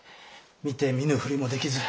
見て見ぬふりもできず。